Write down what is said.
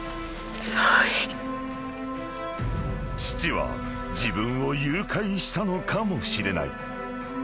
［父は自分を誘拐したのかもしれない］